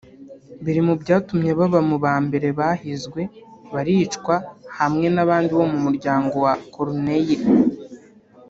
biri mu byatumye baba mu bambere bahizwe baricwa hamwe n’abandi bo mu muryango wa Corneille